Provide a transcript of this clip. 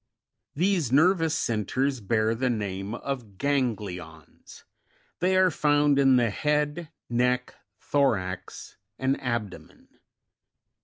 These nervous centres bear the name of ganglions : they are found in the head, neck, thorax and abdomen.